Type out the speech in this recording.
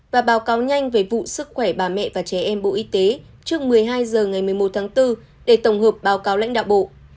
và báo cáo nhanh về vụ sức khỏe bà mẹ và trẻ em bộ y tế trước một mươi hai h ngày một mươi một tháng bốn để tổng hợp báo cáo lãnh đạo bộ